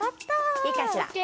いいかしら？